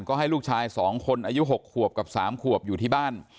ก็ให้ลูกชาย๒คนอายุ๖ขวบกับ๓ขวบอยู่ที่บ้าน